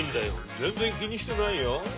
全然気にしてないよ。